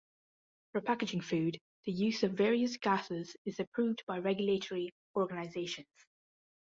For packaging food, the use of various gases is approved by regulatory organisations.